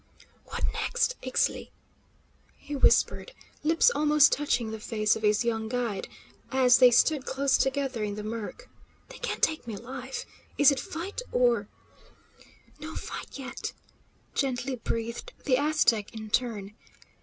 "What next, Ixtli?" he whispered, lips almost touching the face of his young guide, as they stood close together in the mirk. "They can't take me alive! Is it fight, or " "No fight yet," gently breathed the Aztec in turn.